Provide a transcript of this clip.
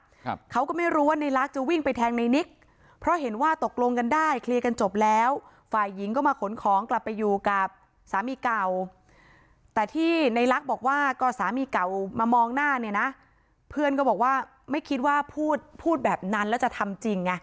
ครับเขาก็ไม่รู้ว่าในลักษณ์จะวิ่งไปแทงในนิกเพราะเห็นว่าตกลงกันได้เคลียร์กันจบแล้วฝ่ายหญิงก็มาขนของกลับไปอยู่กับสามีเก่าแต่ที่ในลักษณ์บอกว่าก็สามีเก่ามามองหน้าเนี่ยนะเพื่อนก็บอกว่าไม่คิดว่าพูดพูดแบบนั้นแล้วจะทำจริงไง